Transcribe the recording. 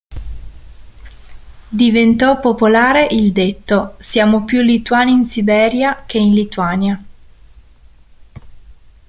Diventò popolare il detto: "Siamo più lituani in Siberia che in Lituania".